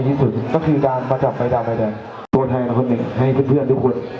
หมอนทั้งอนไม่ได้ออกการอะไรอีกแล้ว